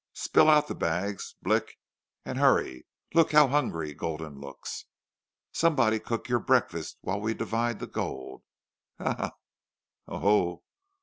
Spill out the bags. Blick. And hurry. Look how hungry Gulden looks!... Somebody cook your breakfast while we divide the gold." "Haw! Haw!" "Ho! Ho!"